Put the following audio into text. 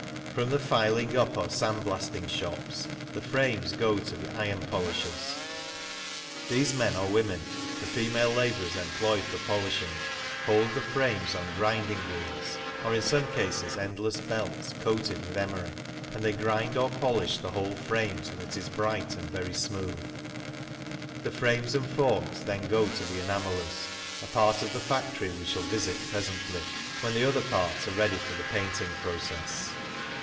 From the filing up or sand blasting shops the frames go to the iron polishers. These men or women (for female labour is employed for polishing) hold the frames on grinding wheels or in some cases endless belts coated with emery, and they grind or polish the whole frame till it is bright and very smooth. The frames and forks then go to the enamellers, a part of the factory we shall visit presently, when the other parts are ready for the painting process.